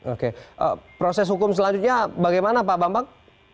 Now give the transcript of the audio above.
oke proses hukum selanjutnya bagaimana pak bambang